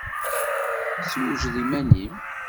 Ssewjed iman-im!